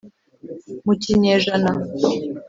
Mu kinyejana